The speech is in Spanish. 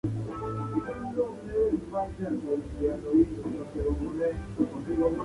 Su carrera se lanzó imparable.